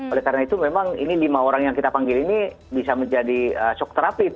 oleh karena itu memang ini lima orang yang kita panggil ini bisa menjadi shock therapit